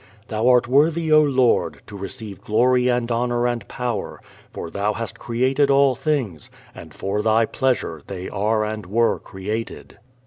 "Thou art worthy, O Lord, to receive glory and honour and power: for thou hast created all things, and for thy pleasure they are and were created."